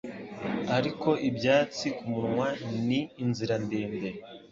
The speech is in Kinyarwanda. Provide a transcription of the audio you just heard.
ariko ibyatsi kumunwa ni inzira ndende